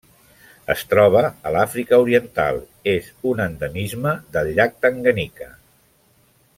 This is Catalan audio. Es troba a l'Àfrica Oriental: és un endemisme del llac Tanganyika.